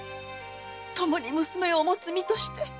同じく娘を持つ身として。